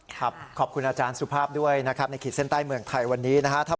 ขอบคุณอาจารย์สุภาพด้วยนะครับในขีดเส้นใต้เมืองไทยวันนี้นะครับ